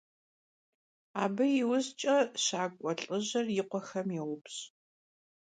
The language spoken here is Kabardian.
Abı yiujç'e şak'ue lh'ıjır yi khuexem youpş'.